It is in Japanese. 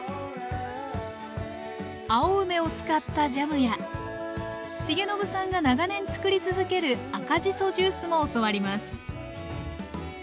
青梅を使ったジャムや重信さんが長年作り続ける赤じそジュースも教わります